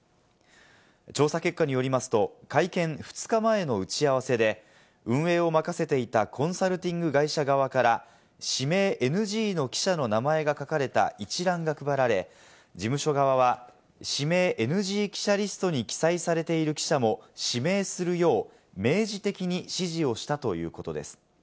調査結果によりますと、会見２日前の打ち合わせで運営を任せていたコンサルティング会社側から指名ＮＧの記者の名前が書かれた一覧が配られ、事務所側は指名ＮＧ記者リストに記載されている記者も指名するよう明示的に指示をしたということです。